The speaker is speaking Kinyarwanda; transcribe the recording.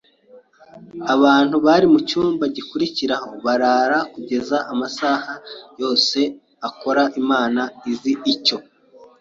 Abantu bari mucyumba gikurikira barara kugeza amasaha yose akora Imana izi icyo.